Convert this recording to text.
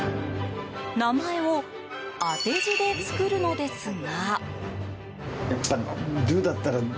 名前を当て字で作るのですが。